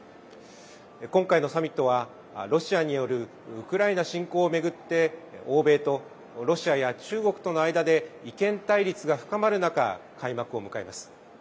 今回のサミットはロシアによるウクライナ侵攻を巡って欧米とロシアや中国との間で意見対立が深まる中、開幕を迎えます。